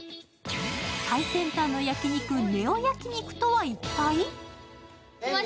最先端の焼肉ネオ焼肉とは、一体？